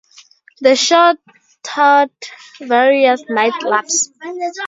The show toured various nightclubs.